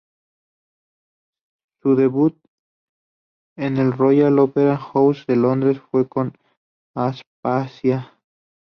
Su debut en el Royal Opera House de Londres, fue con Aspasia.